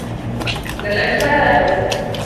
لن أنسها أبدا.